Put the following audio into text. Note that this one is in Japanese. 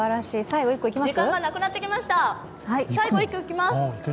最後１個いきます。